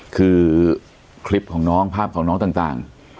คือคลิปของน้องภาพของน้องต่าง